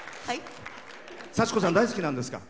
幸子さん大好きなんですか？